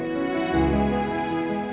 kalau gue maksa untuk masuk